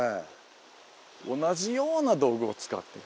同じような道具を使って。